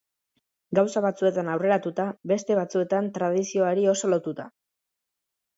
Gauza batzuetan aurreratua, beste batzuetan tradizioari oso lotua.